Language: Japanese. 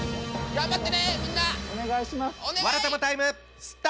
頑張って！